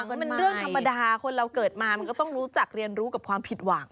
ก็เป็นเรื่องธรรมดาคนเราเกิดมามันก็ต้องรู้จักเรียนรู้กับความผิดหวัง